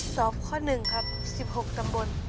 ตอบข้อ๑ครับ๑๖ตำบล